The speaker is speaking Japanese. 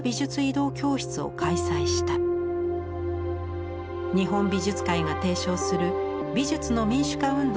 日本美術会が提唱する美術の民主化運動に共鳴した北脇。